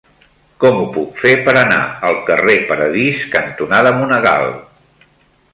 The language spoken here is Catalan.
Com ho puc fer per anar al carrer Paradís cantonada Monegal?